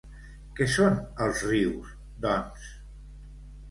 Què són els rius, doncs?